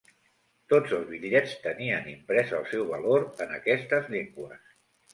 Tots els bitllets tenien imprès el seu valor en aquestes llengües.